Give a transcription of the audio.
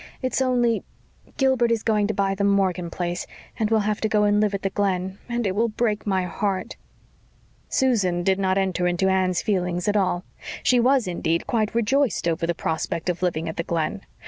It's only Gilbert is going to buy the Morgan place, and we'll have to go and live at the Glen. And it will break my heart." Susan did not enter into Anne's feelings at all. She was, indeed, quite rejoiced over the prospect of living at the Glen.